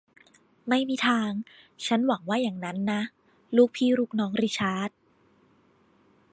ไม่มีทาง ฉันหวังว่าอย่างนั้นนะ ลูกพี่ลูกน้องริชาร์ด